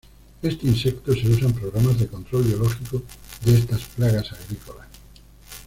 Este insecto se usa en programas de control biológico de estas plagas agrícolas.